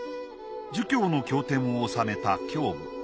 儒教の経典を収めた「経部」。